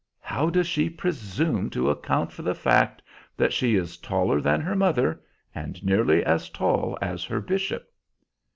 How does she presume to account for the fact that she is taller than her mother and nearly as tall as her bishop?"